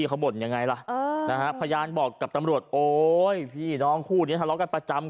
เขาบ่นยังไงล่ะพยานบอกกับตำรวจโอ๊ยพี่น้องคู่นี้ทะเลาะกันประจำ